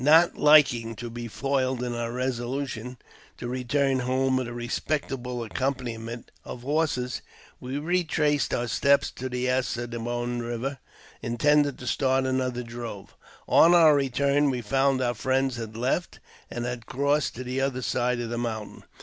Not liking to be foiled in our resolution to return home wii a respectable accompaniment of horses, we retraced our stej to the As ne boine Eiver, intending to start another drove. On| our return we found our friends had left, and had crossed tc^l the other side of the mountain.